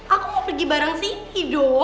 aku mau pergi bareng siti dong